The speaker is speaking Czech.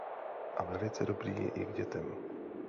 A velice dobrý je i k dětem.